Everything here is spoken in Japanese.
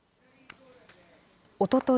おととい